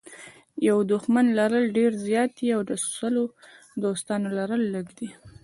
د یوه دښمن لرل ډېر زیات دي او د سلو دوستانو لرل لږ دي.